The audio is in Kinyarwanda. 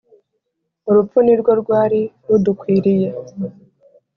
Urupfu ni rwo rwari rudukwiriye